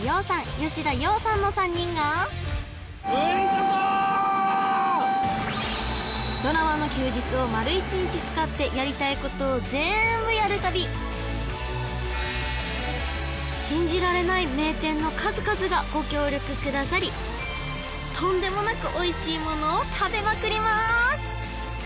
吉田羊さんの３人がドラマの休日を丸１日使ってやりたいことを全部やる旅信じられない名店の数々がご協力くださりとんでもなくおいしいものを食べまくりまーす